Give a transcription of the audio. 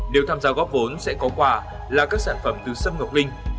nếu tham gia góp vốn sẽ có quả là các sản phẩm từ sâm ngọc linh